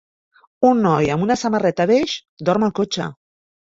un noi amb una samarreta beix dorm al cotxe.